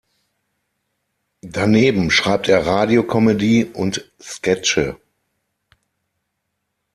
Daneben schreibt er Radio-Comedy und Sketche.